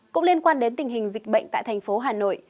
cũng liên quan đến tình hình dịch bệnh tại thành phố hà nội